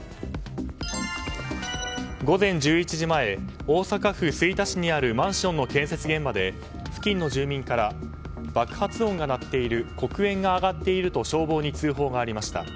午前１１時前大阪府吹田市にあるマンションの建設現場で付近の住民から爆発音が鳴っている黒煙が上がっていると消防に通報がありました。